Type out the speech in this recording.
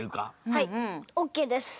はいオッケーです！